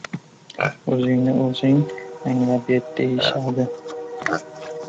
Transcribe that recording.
«O’zingni o‘zing anglab yet!» deyishadi.